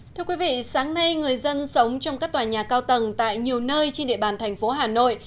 thưa quý vị sáng nay người dân sống trong các tòa nhà cao tầng tại nhiều nơi trên địa bàn thành phố hà nội